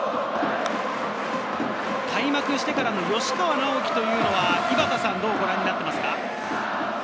開幕してからの吉川尚輝というのは、どうご覧になっていますか？